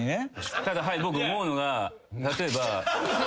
ただはい僕思うのが例えば。